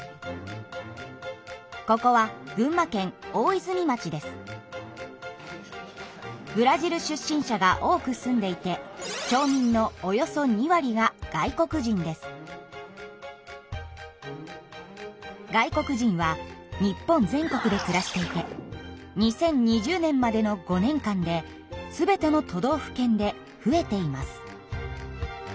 ここはブラジル出身者が多く住んでいて外国人は日本全国で暮らしていて２０２０年までの５年間で全ての都道府県で増えています。